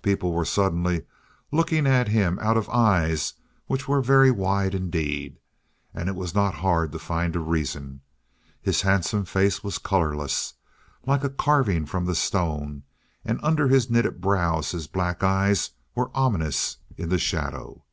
People were suddenly looking at him out of eyes which were very wide indeed. And it was not hard to find a reason. His handsome face was colorless, like a carving from the stone, and under his knitted brows his black eyes were ominous in the shadow.